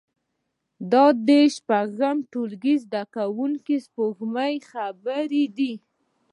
دا د شپږم ټولګي د زده کوونکې سپوږمۍ خبرې دي